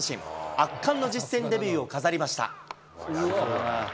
圧巻の実戦デビューを飾りました。